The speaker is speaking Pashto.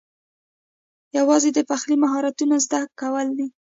یوازې د پخلي مهارت زده کول دي